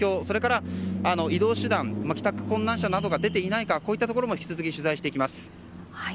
それから移動手段、帰宅困難者などが出ていないかこういったところも引き続き取材していきます。